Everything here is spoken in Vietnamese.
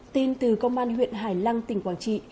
tin từ công an huyện hải lăng tỉnh quảng trị